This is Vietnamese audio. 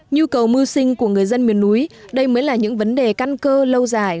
nhu cầu mưu sinh của người dân miền núi đây mới là những vấn đề căn cơ lâu dài